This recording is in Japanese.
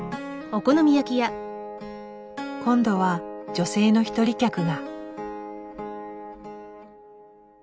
今度は女性の一人客が。